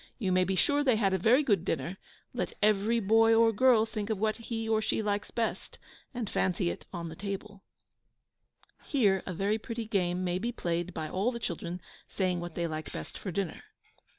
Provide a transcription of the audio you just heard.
You may be sure they had a very good dinner let every boy or girl think of what he or she likes best, and fancy it on the table. [Footnote 4: Here a very pretty game may be played by all the children saying what they like best for dinner.